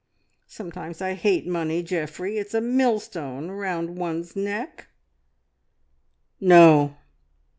Sometimes I hate money, Geoffrey; it's a millstone round one's neck." "No!"